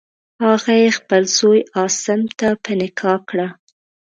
هغه یې خپل زوی عاصم ته په نکاح کړه.